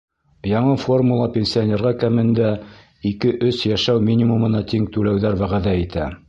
Яңы формула пенсионерға кәмендә ике-өс йәшәү минимумына тиң түләүҙәр вәғәҙә итә.